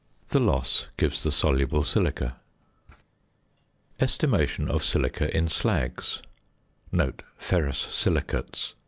The loss gives the soluble silica. ~Estimation of Silica in Slags~ (Ferrous silicates).